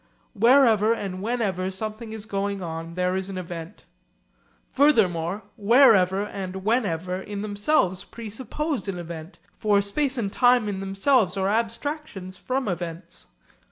Wherever and whenever something is going on, there is an event. Furthermore 'wherever and whenever' in themselves presuppose an event, for space and time in themselves are abstractions from events.